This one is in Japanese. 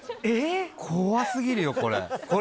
怖すぎるよ、これ。